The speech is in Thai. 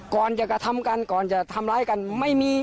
ก่อนจะกระทำกันก่อนจะทำร้ายกันไม่มี